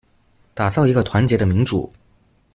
打造一個團結的民主